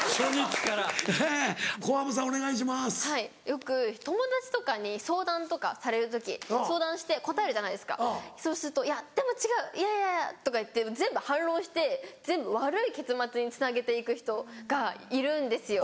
よく友達とかに相談とかされるとき相談して答えるじゃないですかそうすると「いやでも違ういやいやいや」とか言って全部反論して全部悪い結末につなげて行く人がいるんですよ。